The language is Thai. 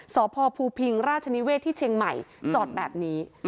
สพภูพิงราชนิเวศที่เชียงใหม่จอดแบบนี้